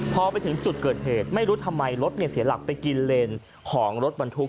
พอไปถึงจุดเกิดเหตุไม่รู้ทำไมรถเสียหลักไปกินเลนของรถบรรทุก